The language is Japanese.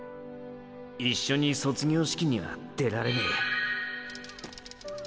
一緒に卒業式には出られねェ。